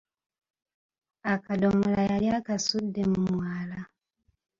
Akadomola yali akasudde mu mwala.